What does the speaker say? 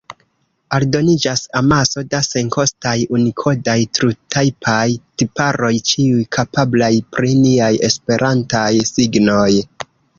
Aldoniĝas amaso da senkostaj unikodaj trutajpaj tiparoj, ĉiuj kapablaj pri niaj esperantaj signoj.